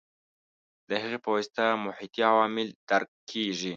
د هغې په واسطه محیطي عوامل درک کېږي.